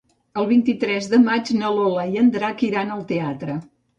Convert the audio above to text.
El vint-i-tres de maig na Lola i en Drac iran al teatre.